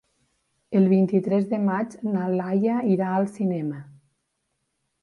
El vint-i-tres de maig na Laia irà al cinema.